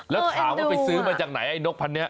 แล้วถามว่าไปซื้อมาจากไหนไอ้นกพันนี้